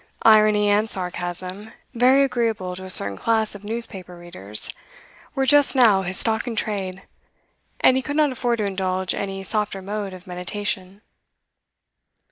Irony and sarcasm very agreeable to a certain class of newspaper readers were just now his stock in trade, and he could not afford to indulge any softer mode of meditation.